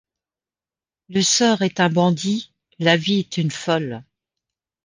Le sort est un bandit ; la vie est une folle.